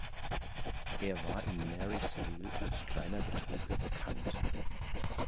Er war in Marysville als kleiner Betrüger bekannt.